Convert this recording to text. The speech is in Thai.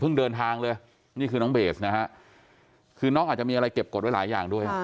เดินทางเลยนี่คือน้องเบสนะฮะคือน้องอาจจะมีอะไรเก็บกฎไว้หลายอย่างด้วย